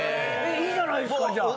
いいじゃないですかじゃあ。